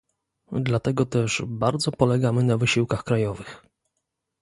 Dlatego też bardzo polegamy na wysiłkach krajowych